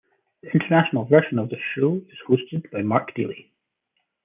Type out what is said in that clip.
The international version of the show is hosted by Mark Daley.